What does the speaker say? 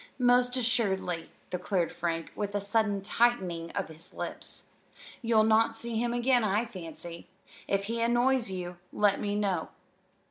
"Most assuredly," declared Frank, with a sudden tightening of his lips. "You'll not see him again, I fancy. If he annoys you, let me know."